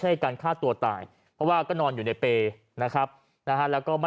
ให้การฆ่าตัวตายเพราะว่าก็นอนอยู่ในเปย์นะครับนะฮะแล้วก็ไม่